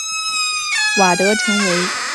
瓦德成为不管部长。